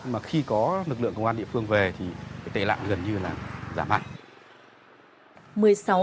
mà khi có lực lượng công an địa phương về thì tệ lạng gần như là giảm hẳn